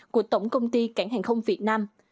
của tổng công ty cảng hàng không việt nam